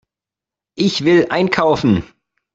Ich will einkaufen.